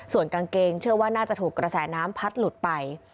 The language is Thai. ส่วนกางเกงเชื่อว่าน่าจะถูกกระแสน้ำพัดหลุดไป